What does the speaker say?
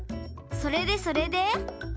それでそれで？